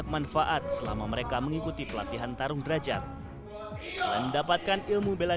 kegembangnya terjadi untuk cari barang berharga yang bela